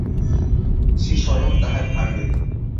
সে স্বয়ং তাহার ভার লইল।